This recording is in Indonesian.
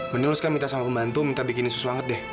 bener lu sekarang minta sama pembantu minta bikin ini susu anget deh